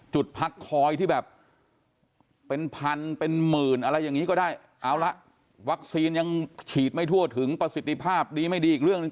จุดพักคอยที่แบบเป็นพันเป็นหมื่นอะไรอย่างนี้ก็ได้เอาละวัคซีนยังฉีดไม่ทั่วถึงประสิทธิภาพดีไม่ดีอีกเรื่องหนึ่ง